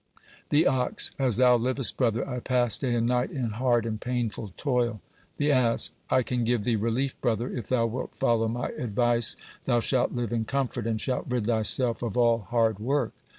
The ox: "As thou livest, brother, I pass day and night in hard and painful toil." The ass: "I can give thee relief, brother. If thou wilt follow my advice, thou shalt live in comfort, and shalt rid thyself of all hard work."